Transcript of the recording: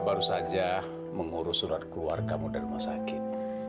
saya baru saja mengurus surat keluarga rumah sakit